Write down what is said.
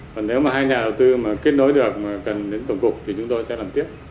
còn nếu mà hai nhà đầu tư mà kết nối được cần đến tổng cục thì chúng tôi sẽ làm tiếp